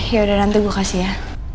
yaudah nanti gua kasih ya